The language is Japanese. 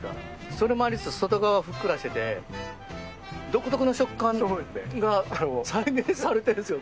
それもありつつ外側はふっくらしていて独特な食感が再現されているんですよ。